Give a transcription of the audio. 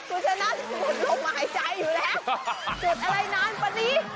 จุดอะไรนานปะนี้